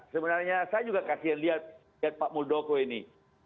sebenarnya saya juga kasihan lihat pak muldoko ini